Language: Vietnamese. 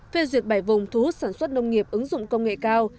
phê duyệt bảy vùng thu hút sản xuất nông nghiệp ứng dụng công nghệ cao